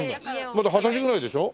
まだ二十歳ぐらいでしょ？